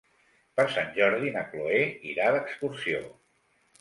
Per Sant Jordi na Cloè irà d'excursió.